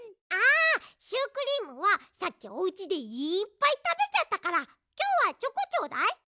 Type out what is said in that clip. ああシュークリームはさっきおうちでいっぱいたべちゃったからきょうはチョコちょうだい。